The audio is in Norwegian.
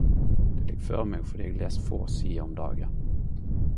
Du ligg føre meg fordi eg les få sider om dagen.